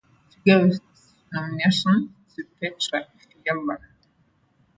It gave its nomination to Petr Fiala.